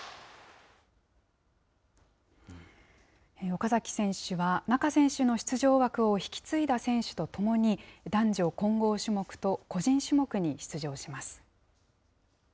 岡崎選手は、仲選手の出場枠を引き継いだ選手と共に、男女混合種目と個人種目に出場します。